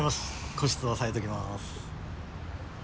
個室おさえときます。